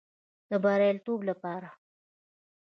د بریالیتوب لپاره